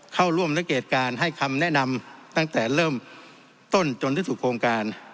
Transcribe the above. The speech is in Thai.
เข้าร่วมสังเกตการให้คำแนะนำตั้งแต่เริ่มต้นจนที่สุดโครงการ